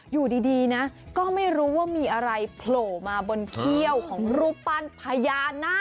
อยู่ดีนะก็ไม่รู้ว่ามีอะไรโผล่มาบนเขี้ยวของรูปปั้นพญานาค